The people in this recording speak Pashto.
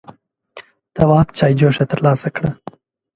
تواب چايجوشه تر لاسه کړه.